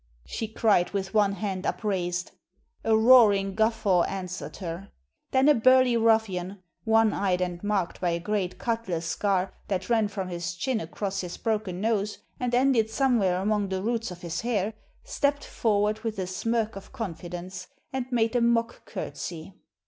she cried with one hand upraised. A roaring guffaw answered her. Then a burly ruffian, one eyed and marked by a great cutlas scar that ran from his chin across his broken nose and ended somewhere among the roots of his hair, stepped forward with a smirk of confidence, and made a mock curtsy.